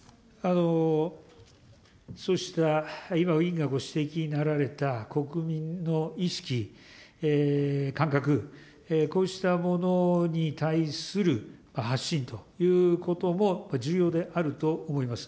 そうした、今委員がご指摘になられた国民の意識、感覚、こうしたものに対する発信ということも、重要であると思います。